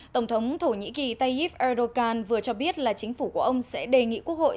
tổng thống thổ nhĩ kỳ tayyip erdogan vừa cho biết là chính phủ của ông sẽ đề nghị quốc hội